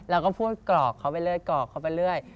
เราก็พูดกรอกเขาไปเรื่อยกรอกเขาไปเรื่อย